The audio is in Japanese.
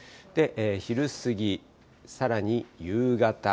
昼過ぎ、さらに夕方。